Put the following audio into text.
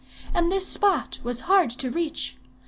And this spot was hard to reach.